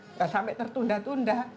nggak sampai tertunda tunda